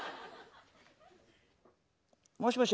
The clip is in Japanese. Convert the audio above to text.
もしもし？